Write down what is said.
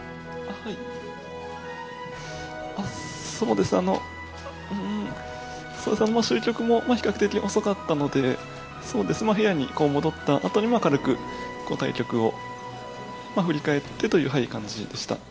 そうですね、あの、終局も比較的遅かったので、そうですね、部屋に戻ったあとに、軽く対局を振り返ってという感じでした。